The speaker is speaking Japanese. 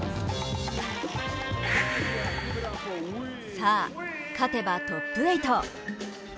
さあ、勝てばトップ８。